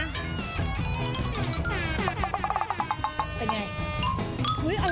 ข้อส่องคืออะไรคะ